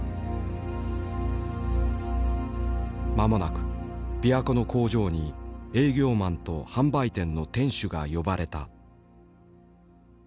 間もなく琵琶湖の工場に営業マンと販売店の店主が呼ばれた。